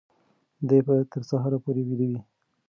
دی به تر سهاره پورې ویده وي.